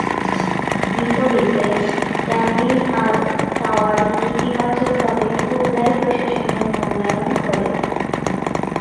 বিপরীতে, জামি আল-তওয়ারিক ইতিবাচকভাবে কুবলাই প্রশাসনের মূল্যায়ন করে।